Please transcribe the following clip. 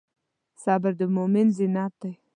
صبر د مؤمن زینت دی.